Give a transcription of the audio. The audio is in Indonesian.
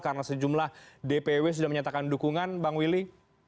karena sejumlah dpw sudah menyatakan dukungan bang willy